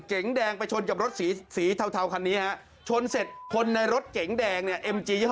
เก๋งแดงไปชนกับรถสีสีเทาคันนี้ฮะชนเสร็จคนในรถเก๋งแดงเนี่ย